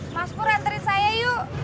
mas kur anterin saya yuk